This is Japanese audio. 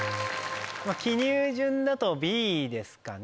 記入順だとＢですかね。